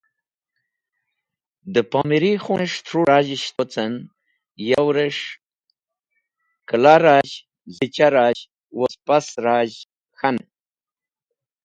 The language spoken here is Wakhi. De Pomiri Khunes̃h thru rajhis̃ht wocen. Yav res̃h Kala Rajh; Zicha Rajh woz Past Rajh K̃hanen.